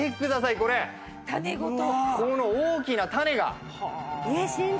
この大きな種が！